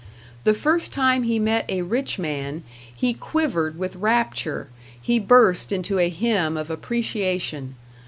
The first time he met a rich man, he quivered with rapture, he burst into a hymn of appreciation.